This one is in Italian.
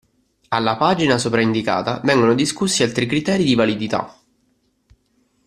Alla pagina sopraindicata vengono discussi altri criteri di validità.